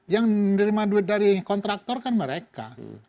yang menerima duit dari kontraktor kan mereka